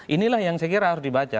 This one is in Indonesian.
inilah yang saya kira harus dibaca